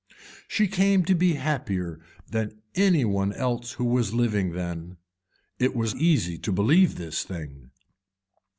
She came to be happier than anybody else who was living then. It is easy to believe this thing.